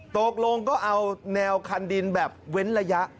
ตกลงก็เอาแนวคันดินแบบเว้นระยะ